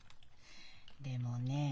でもねえ